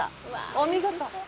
お見事！